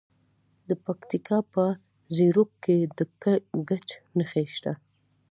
د پکتیکا په زیروک کې د ګچ نښې شته.